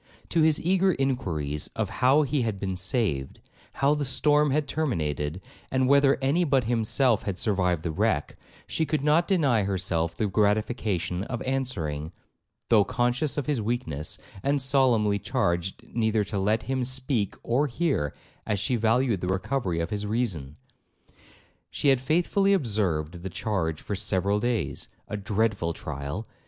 To his eager inquiries of how he had been saved, how the storm had terminated, and whether any but himself had survived the wreck, she could not deny herself the gratification of answering, though conscious of his weakness, and solemnly charged neither to let him speak or hear, as she valued the recovery of his reason. She had faithfully observed the charge for several days,—a dreadful trial!